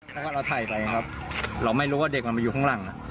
เพราะว่าเราถ่ายไปครับเราไม่รู้ว่าเด็กมันมาอยู่ข้างหลัง